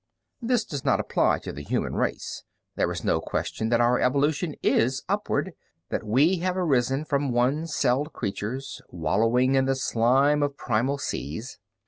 "This does not apply to the human race. There is no question that our evolution is upward, that we have arisen from one celled creatures wallowing in the slime of primal seas.